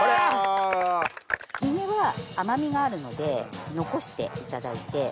ヒゲは甘みがあるので残していただいて。